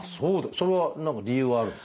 それは何か理由はあるんですか？